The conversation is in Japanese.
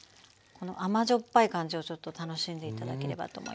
甘じょっぱい感じをちょっと楽しんで頂ければと思います。